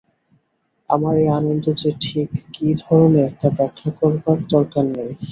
আমার এ আনন্দ যে ঠিক কী ধরনের তা ব্যাখ্যা করবার দরকার নেই।